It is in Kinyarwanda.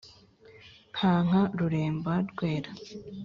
nkanka ruremba rwera